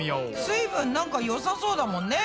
水分なんかよさそうだもんね